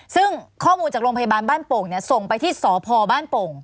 ซึ่งข้อมูลจากโรงพยาบาลบ้านโป่งส่งไปที่สพบ้านโป่ง